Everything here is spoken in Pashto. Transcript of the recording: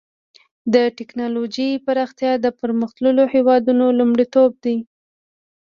د ټکنالوجۍ پراختیا د پرمختللو هېوادونو لومړیتوب دی.